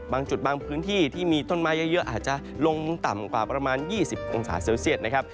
บางจุดบางพื้นที่ที่มีต้นไม้เยอะอาจจะลงต่ำกว่าประมาณ๒๐องศาเซลเซียตนะครับ